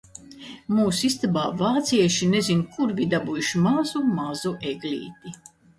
Mūsu istabā vācieši nezin kur bija dabūjuši mazu, mazu eglīti.